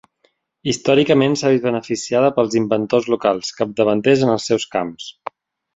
Històricament s'ha vist beneficiada pels inventors locals, capdavanters en els seus camps.